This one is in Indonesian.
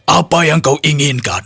apa yang kau inginkan